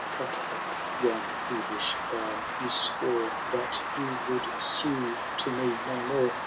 At length yon peevish vow you swore, That you would sue to me no more.